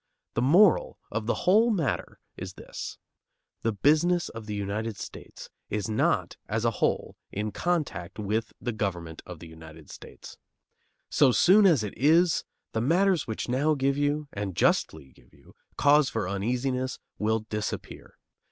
The moral of the whole matter is this: The business of the United States is not as a whole in contact with the government of the United States. So soon as it is, the matters which now give you, and justly give you, cause for uneasiness will disappear.